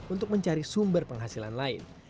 untuk mencari sumber penghasilan lain